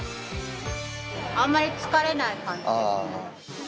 あんまり疲れない感じですね。